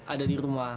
ada di rumah